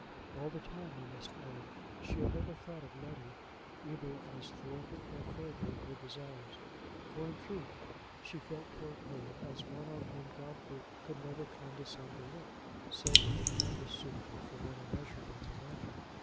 All the time, I must add, she had never thought of Letty either as thwarting or furthering her desires, for in truth she felt toward her as one on whom Godfrey could never condescend to look, save with the kindness suitable for one immeasurably below him.